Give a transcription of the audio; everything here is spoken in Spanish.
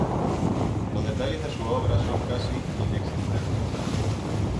Los detalles de su obra son casi inexistentes.